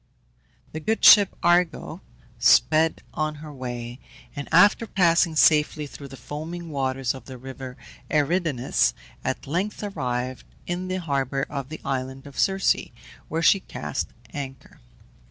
The good ship Argo sped on her way, and, after passing safely through the foaming waters of the river Eridanus, at length arrived in the harbour of the island of Circe, where she cast anchor.